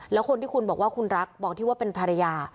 แล้วคนที่คุณบอกว่าคุณรักบอกที่ว่าเป็นภรรยา